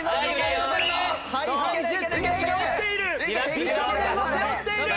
美少年も背負っている！